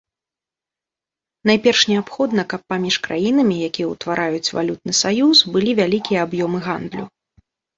Найперш неабходна, каб паміж краінамі, якія ўтвараюць валютны саюз, былі вялікія аб'ёмы гандлю.